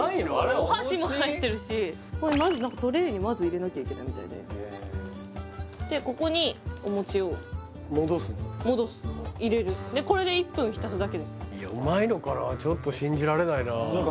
お箸も入ってるしこれトレーにまず入れなきゃいけないみたいででここにお餅を戻す入れるでこれで１分浸すだけですうまいのかな？